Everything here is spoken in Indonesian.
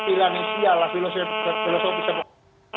pilihan isialah filosofis yang